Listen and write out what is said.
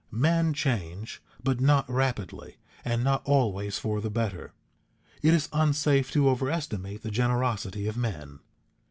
Men change, but not rapidly, and not always for the better. It is unsafe to overestimate the generosity of men.